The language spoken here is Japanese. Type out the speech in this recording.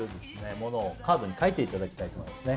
ものをカードに書いていただきたいと思いますね